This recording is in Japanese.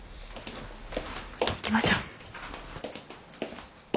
行きましょう。